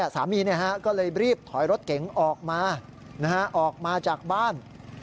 สามีก็เลยรีบถอยรถเก๋งออกมาออกมาจากบ้าน